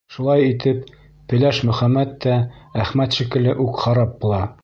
Шулай итеп, Пеләш Мөхәммәт тә Әхмәт шикелле үк харап була.